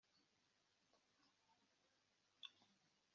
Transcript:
ibya nimugoroba, gukora isuku akoropa inzu,